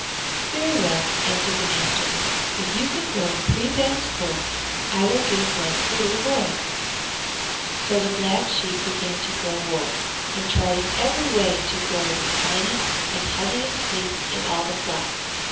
"Very well," answered the master; "if you can grow three bags full I will give one to the little boy." So the Black Sheep began to grow wool, and tried in every way to grow the finest and heaviest fleece in all the flock.